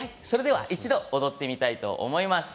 一度踊ってみたいと思います。